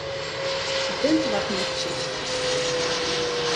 Ddant ɣer tneččit.